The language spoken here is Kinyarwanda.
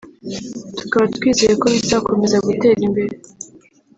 tukaba twizeye ko bizakomeza gutera imbere”